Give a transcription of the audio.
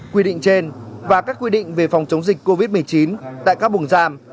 quy định trên và các quy định về phòng chống dịch covid một mươi chín tại các buồng giam